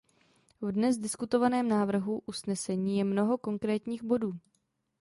V dnes diskutovaném návrhu usnesení je mnoho konkrétních bodů.